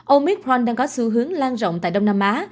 omicron đang có xu hướng lan rộng tại đông nam á